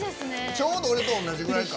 ちょうど俺と同じくらいか。